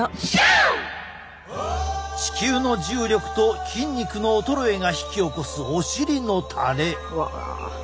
地球の重力と筋肉の衰えが引き起こすお尻のたれ。